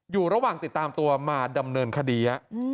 อยู่ระหว่างติดตามตัวมาดำเนินคดี